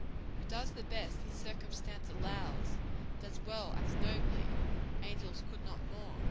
"Who does the best his circumstance allows, Does well; acts nobly: angels could no more."